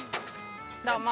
どうも。